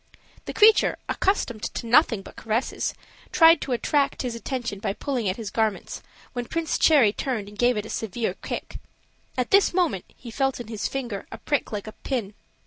The creature, accustomed to nothing but caresses, tried to attract his attention by pulling at his garments, when Prince Cherry turned and gave it a severe kick. At this moment he felt in his finger a prick like a pin.